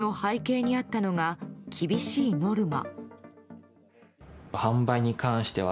罵詈雑言の背景にあったのが厳しいノルマ。